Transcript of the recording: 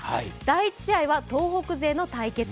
第１試合は東北勢の対決。